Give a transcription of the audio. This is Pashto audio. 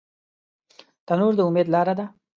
تنور د امید لاره ده